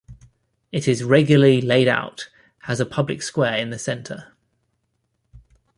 It is regularly laid out, has a public square in the center.